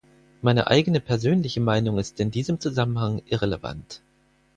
Meine eigene persönliche Meinung ist in diesem Zusammenhang irrelevant.